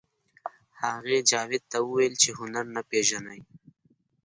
هغه جاوید ته وویل چې هنر نه پېژنئ